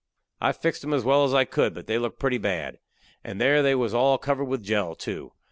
I fixed 'em as well as I could, but they looked pretty bad, and there they was all covered with jell, too.